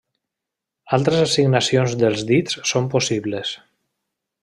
Altres assignacions dels dits són possibles.